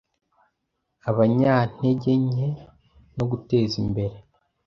abanyantegenke no guteza imbere